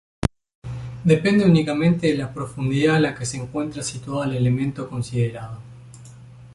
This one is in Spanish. Depende únicamente de la profundidad a la que se encuentra situado el elemento considerado.